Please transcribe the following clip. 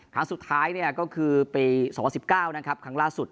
ครั้งสุดท้ายก็คือปี๒๐๑๙ครั้งล่าสุด